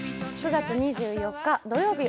９月２４日土曜日